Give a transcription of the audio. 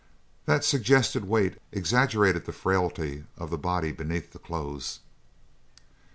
That suggested weight exaggerated the frailty of the body beneath the clothes.